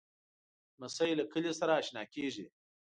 لمسی له کلي سره اشنا کېږي.